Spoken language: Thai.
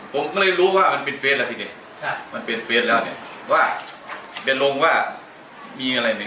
ผมก็ไม่รู้ว่ามันเป็นเฟสต์แล้วเนี่ยมันเป็นเฟสต์แล้วเนี่ยว่าเดี๋ยวลงว่ามีอะไรเนี่ย